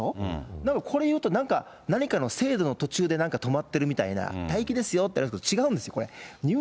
なんかこれ言うと、何かの制度の途中で止まってるみたいな、待機ですよって言われると、違うんです、これ。